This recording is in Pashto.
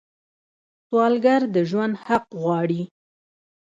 سوالګر د ژوند حق غواړي